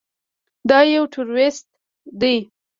دا يو ټروريست دى.